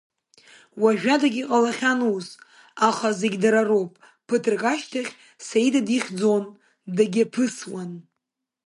Уажәадагьы иҟалахьан ус, аха зегь дара роуп, ԥыҭрак ашьҭахь Саида дихьӡон, дагьиаԥысуан.